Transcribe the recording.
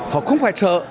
họ không phải sợ